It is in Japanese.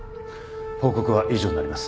報告は以上になります。